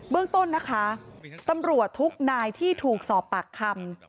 เรื่องต้นนะคะตำรวจทุกนายที่ถูกสอบปากคำ